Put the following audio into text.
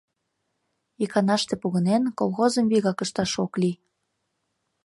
Иканаште погынен, колхозым вигак ышташ ок лий.